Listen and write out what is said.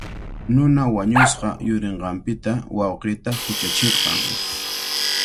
Nuna wañushqa yurinqanpita wawqiita huchachirqan.